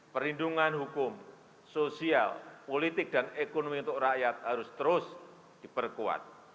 perlindungan hukum sosial politik dan ekonomi untuk rakyat harus terus diperkuat